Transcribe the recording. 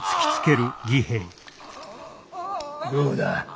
どうだ